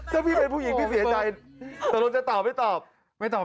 ถ้าพี่เป็นผู้หญิงไม่เสียใจสรุปจะตอบไม่ตอบ